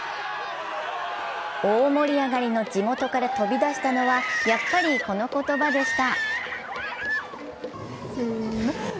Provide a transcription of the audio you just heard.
大盛り上がりの地元から飛び出したのは、やっぱり、この言葉でした。